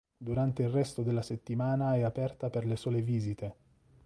Durante il resto della settimana è aperta per le sole visite.